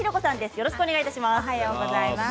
よろしくお願いします。